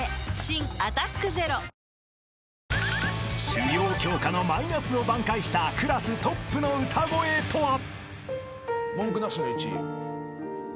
［主要教科のマイナスを挽回したクラストップの歌声とは？］